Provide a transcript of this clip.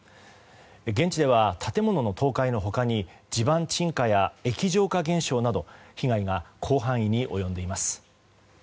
現地では、建物の倒壊の他に地盤沈下や液状化現象など被害が広範囲に及んでいます。